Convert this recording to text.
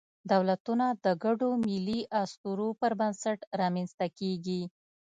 دولتونه د ګډو ملي اسطورو پر بنسټ رامنځ ته کېږي.